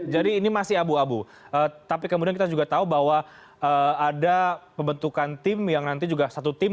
jadi ini masih abu abu tapi kemudian kita juga tahu bahwa ada pembentukan tim yang nanti juga satu tim